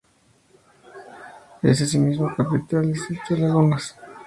Es asimismo capital del distrito de Lagunas.